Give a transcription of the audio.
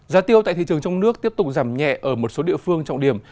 giá tiêu tại thị trường trong nước tiếp tục giảm nhẹ ở một số địa phương trọng điểm